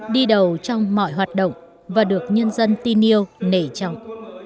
đi đầu trong mọi hoạt động và được nhân dân tin yêu nể trọng